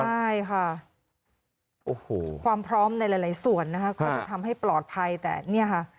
ใช่ค่ะโอ้โหความพร้อมในหลายส่วนนะคะก็จะทำให้ปลอดภัยแต่เนี่ยค่ะ